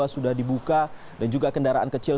sudah dibuka dan juga kendaraan kecil